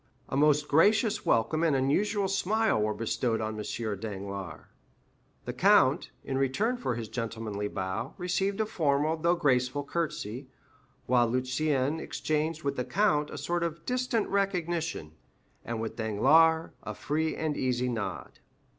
A most gracious welcome and unusual smile were bestowed on M. Danglars; the count, in return for his gentlemanly bow, received a formal though graceful courtesy, while Lucien exchanged with the count a sort of distant recognition, and with Danglars a free and easy nod.